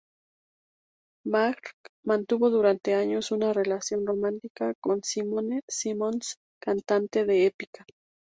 Mark mantuvo durante años una relación romántica con Simone Simons, cantante de Epica.